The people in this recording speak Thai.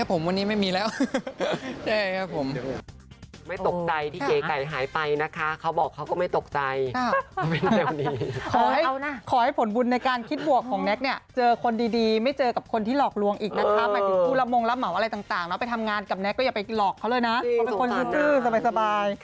ตอนนี้ไม่มีไม่มีครับผมวันนี้ไม่มีแล้วแจ้ครับผม